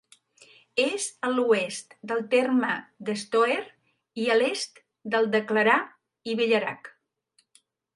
És a l'oest del terme d'Estoer i a l'est del de Clarà i Villerac.